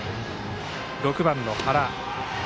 ６番の原。